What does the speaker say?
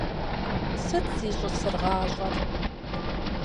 Сыт зищӀысыр гъащӀэр?